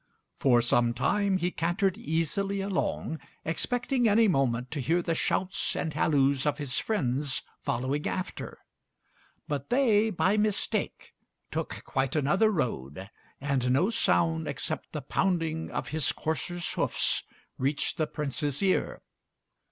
For some time he cantered easily along, expecting any moment to hear the shouts and halloos of his friends following after; but they by mistake took quite another road, and no sound except the pounding of his courser's hoofs reached the Prince's ear.